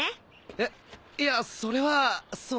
えっいやそれはその。